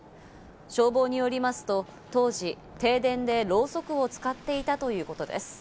消防によりますと当時、停電でろうそくを使っていたということです。